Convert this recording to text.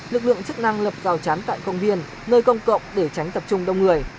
lực lượng chức năng lập rào chắn tại công viên nơi công cộng để tránh tập trung đông người